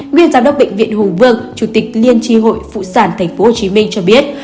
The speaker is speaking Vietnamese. nguyên giám đốc bệnh viện hùng vương chủ tịch liên tri hội phụ sản tp hcm cho biết